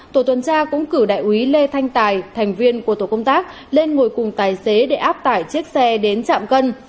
tổ tuần tra cũng cử đại úy lê thanh tài thành viên của tổ công tác lên ngồi cùng tài xế để áp tải chiếc xe đến trạm cân